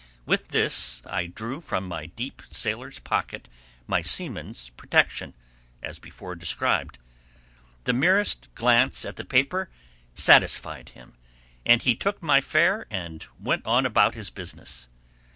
With this I drew from my deep sailor's pocket my seaman's protection, as before described. The merest glance at the paper satisfied him, and he took my fare and went on about his business.